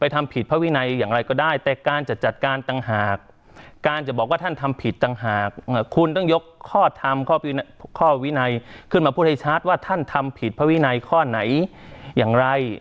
แต่การจะจัดการต่างหากการจะบอกว่าท่านทำผิดต่างหากคุณต้องยกข้อธรรมข้อวินัยข้อวินัยขึ้นมาพูดให้ชัดว่าท่านทำผิดพระวินัยข้อไหนอย่างไร